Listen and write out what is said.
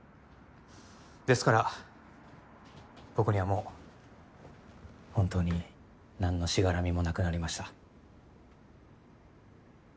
ですから僕にはもう本当に何のしがらみもなくなりました。